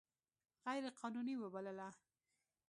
غیر قانوني وبلله.